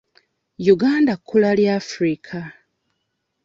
Uganda kkula lya Africa.